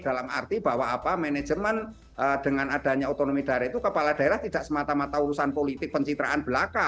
dalam arti bahwa apa manajemen dengan adanya otonomi daerah itu kepala daerah tidak semata mata urusan politik pencitraan belaka